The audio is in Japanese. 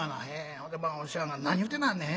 ほんでお師匠はんが『何言うてなはんねん。